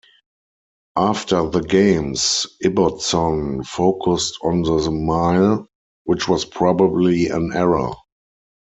After the games, Ibbotson focused on the mile, which was probably an error.